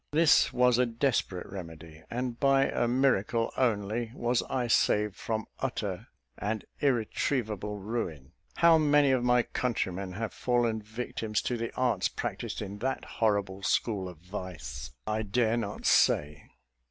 This was a desperate remedy, and by a miracle only was I saved from utter and irretrievable ruin. How many of my countrymen have fallen victims to the arts practised in that horrible school of vice, I dare not say!